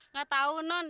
nggak tau nun